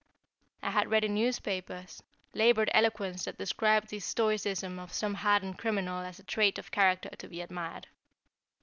I had read in newspapers, labored eloquence that described the stoicism of some hardened criminal as a trait of character to be admired.